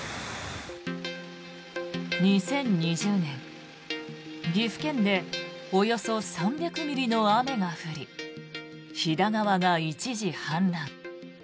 ２０２０年、岐阜県でおよそ３００ミリの雨が降り飛騨川が一時、氾濫。